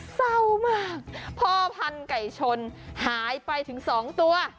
เศร้ามากพ่อพันธุ์ไก่ชนหายไปถึง๒ตัว